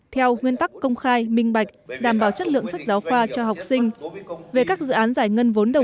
theo nguyên tắc công khai minh bạch đảm bảo chất lượng sách giáo khoa cho học sinh